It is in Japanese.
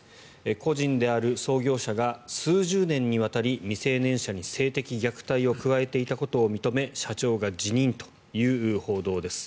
故人である創業者が数十年にわたり未成年者に性的虐待を加えていたことを認め社長が辞任という報道です。